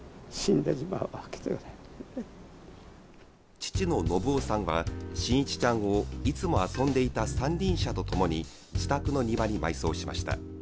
父の信男さんは伸一ちゃんをいつも遊んでいた三輪車と共に自宅の庭に埋葬しました。